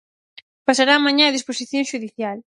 Pasará mañá a disposición xudicial.